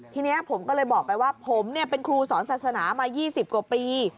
ทีนี้ผมก็เลยบอกไปว่าผมเป็นครูสอนศาสนามา๒๐กว่าปี